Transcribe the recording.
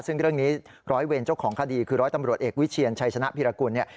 ซึ่งเรื่องนี้ร้อยเวรเจ้าของคดีคือร้อยตำรวจเอกวิเชียนชัยชนะพิรกุลเนี่ย